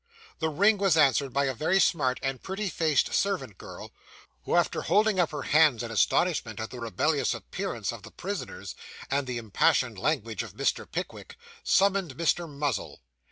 The ring was answered by a very smart and pretty faced servant girl, who, after holding up her hands in astonishment at the rebellious appearance of the prisoners, and the impassioned language of Mr. Pickwick, summoned Mr. Muzzle.